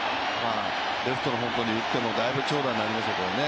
レフトの方向に打ってもだいぶ長打になりますからね。